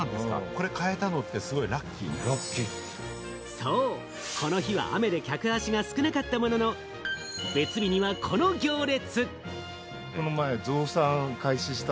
そう、この日は雨で客足が少なかったものの、別日にはこの行列。